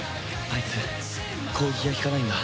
あいつ攻撃が効かないんだ。